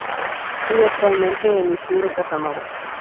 Vive actualmente en Isidro Casanova.